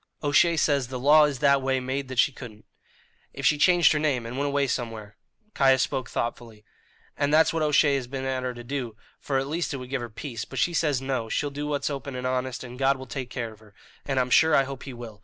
"O'Shea says the law is that way made that she couldn't." "If she changed her name and went away somewhere " Caius spoke thoughtfully. "And that's what O'Shea has been at her to do, for at least it would give her peace; but she says, no, she'll do what's open and honest, and God will take care of her. And I'm sure I hope He will.